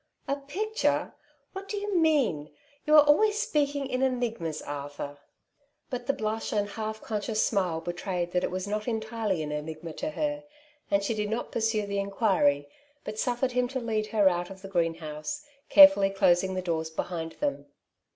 ^'A picture! What do you mean? You are always speaking in enigmas, Arthur." But the blush and half conscious smile betrayed that it was not entirely an enigma to her, and she did not pur sue the inquiry, but suffered him to lead her out of the greenhouse, carefully closing the doors behind them.